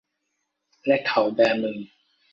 และเขาแบมือ